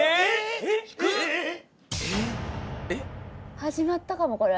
始まったかもこれ。